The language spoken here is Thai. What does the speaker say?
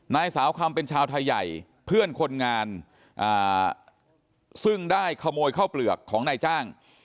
นางสาวคำเป็นชาวไทยใหญ่เพื่อนคนงานซึ่งได้ขโมยข้าวเปลือกของนายจ้าง